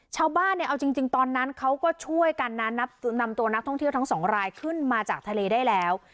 ชาวบ้านเนี่ยเอาจริงตอนนั้นเขาก็ช่วยกันนะนำตัวนักท่องเที่ยวทั้งสองรายขึ้นมาจากทะเลได้แล้ว